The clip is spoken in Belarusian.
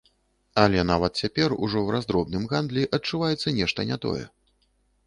Але нават цяпер ужо ў раздробным гандлі адчуваецца нешта не тое.